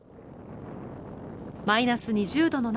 マイナス２０度の中